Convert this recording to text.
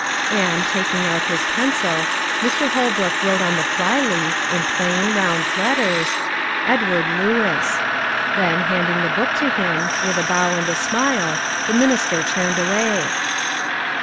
And, taking out his pencil, Mr. Holbrook wrote on the fly leaf, in plain, round letters, "Edward Lewis." Then, handing the book to him, with a bow and smile, the minister turned away.